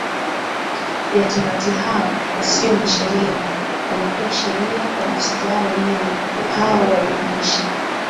ya torati hao wasio na sheria wamekuwa sheria kwa nafsi zao wenyewe Hao waionyesha